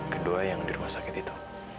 kedua yang di rumah sakit itu